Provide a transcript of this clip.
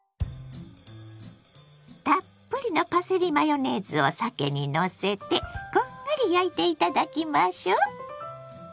たっぷりのパセリマヨネーズをさけにのせてこんがり焼いていただきましょ。